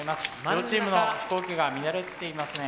両チームの飛行機が乱れていますね。